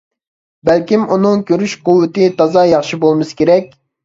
بەلكىم ئۇنىڭ كۆرۈش قۇۋۋىتى تازا ياخشى بولمىسا كېرەك.